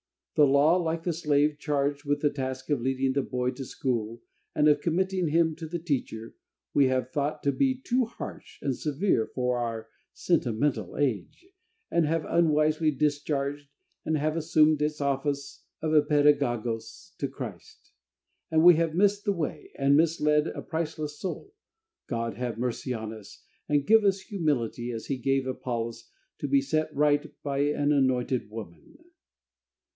The law, like the slave charged with the task of leading the boy to school, and of committing him to the teacher, we have thought to be too harsh and severe for our sentimental age, and have unwisely discharged, and have assumed its office of a paidagogos to Christ, and we have missed the way, and misled a priceless soul. God have mercy on us, and give us humility, as He gave Apollos, to be set right by an anointed woman!